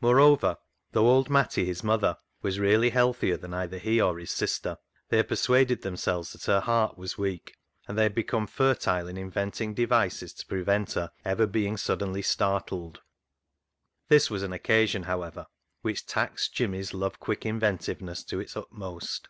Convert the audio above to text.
Moreover, though old Matty his mother was really healthier than either he or his sister, they had persuaded themselves that her heart was weak, and they had become fertile in inventing devices to prevent her ever being suddenly startled. This was an occasion, however, which taxed Jimmy's love quick inventiveness to its utmost.